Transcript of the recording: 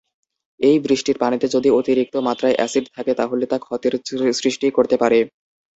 এই বৃষ্টির পানিতে যদি অতিরিক্ত মাত্রায় এসিড থাকে তাহলে তা ক্ষতের সৃষ্টি করতে পারে।